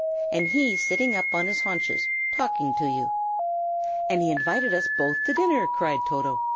and he sitting up on his haunches, talking to you." "And he invited us both to supper!" cried Toto.